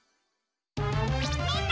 みんな！